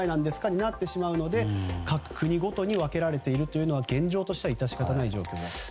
となってしまうので各国ごとに分けられているのは現状としては致し方ない状況です。